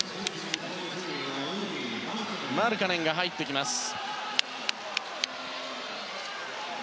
マルカネンが入ってきました。